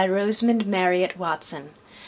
Rosamund Marriott Watson b.